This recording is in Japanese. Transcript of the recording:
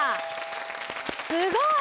すごい！